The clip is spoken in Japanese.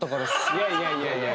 いやいやいやいや